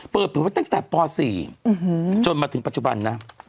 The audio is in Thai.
เปิดเผยว่าตั้งแต่ป๔จนมาถึงปัจจุบันนะ